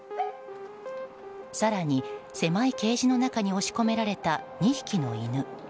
更に、狭いケージの中に押し込められた２匹の犬。